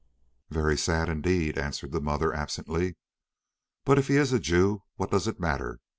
"Very sad indeed," answered the mother absently; "but if he is a Jew, what does it matter?